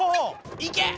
いけ！